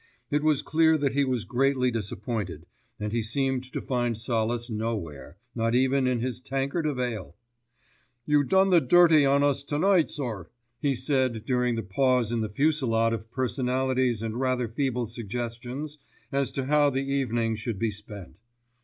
It was clear that he was greatly disappointed, and he seemed to find solace nowhere, not even in his tankard of ale. "You done the dirty on us to night, sir," he said during a pause in the fusillade of personalities and rather feeble suggestions as to how thee evening should be spent.